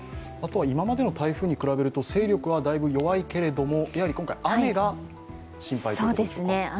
今までの台風に比べると、勢力はだいぶ弱いけれども、今回、雨が心配ということですか。